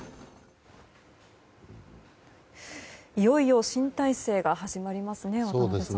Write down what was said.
いよいよ新体制が始まりますね。